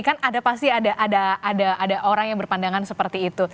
kan ada pasti ada orang yang berpandangan seperti itu